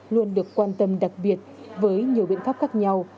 luôn được quan tâm đặc biệt với nhiều biện pháp khác nhau